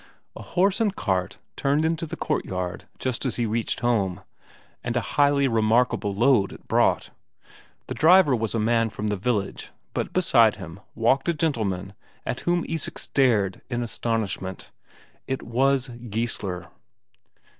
A horse and cart turned into the courtyard just as he reached home. And a highly remarkable load it brought. The driver was a man from the village, but beside him walked a gentleman at whom Isak stared in astonishment it was Geissler.